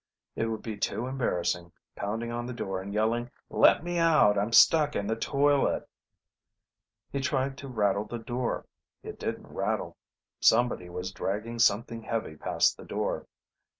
It would be too embarrassing, pounding on the door and yelling, "Let me out! I'm stuck in the toilet ..." He tried to rattle the door. It didn't rattle. Somebody was dragging something heavy past the door.